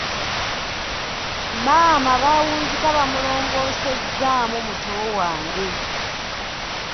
Maama baawunzika bamulongoosezzaamu muto wange.